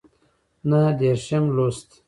نهه دیرشم لوست